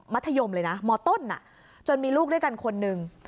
ธยมเลยนะมต้นจนมีลูกด้วยกันคนหนึ่ง